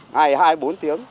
ngày hai bốn tiếng